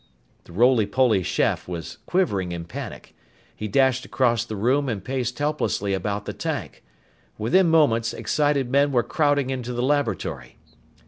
The roly poly chef was quivering in panic. He dashed across the room and paced helplessly about the tank. Within moments, excited men were crowding into the laboratory.